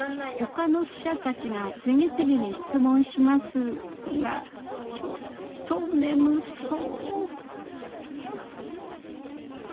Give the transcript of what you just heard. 他の記者たちが次々に質問しますがちょっと眠そう。